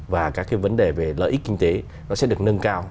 và các cái vấn đề về lợi ích kinh tế nó sẽ được nâng cao